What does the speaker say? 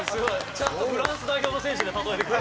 ちゃんとフランス代表の選手で例えて。